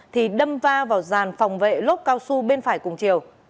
thì đâm va vào dàn phòng vệ lốt cao su bên phải cùng chiều